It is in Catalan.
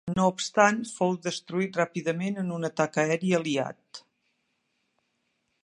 No obstant, fou destruït ràpidament en un atac aeri aliat.